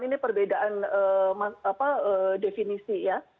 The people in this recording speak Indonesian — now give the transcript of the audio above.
ini perbedaan definisi ya